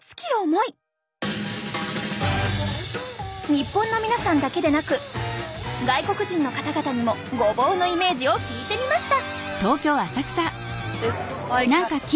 日本の皆さんだけでなく外国人の方々にもごぼうのイメージを聞いてみました。